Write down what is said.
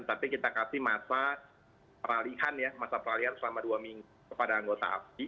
tapi kita kasih masa peralihan ya masa peralihan selama dua minggu kepada anggota abdi